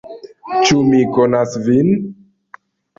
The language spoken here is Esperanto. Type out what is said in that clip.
Ĉu mi konas vin?